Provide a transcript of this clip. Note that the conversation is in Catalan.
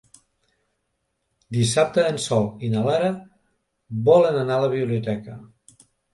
Dissabte en Sol i na Lara volen anar a la biblioteca.